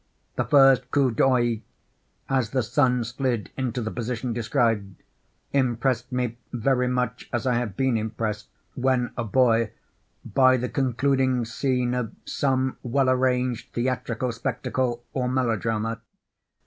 The first coup d'œil, as the sun slid into the position described, impressed me very much as I have been impressed, when a boy, by the concluding scene of some well arranged theatrical spectacle or melodrama.